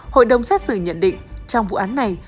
hội đồng xét xử nhận định trong vụ án này